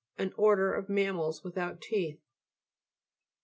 An order of mammals without teeth.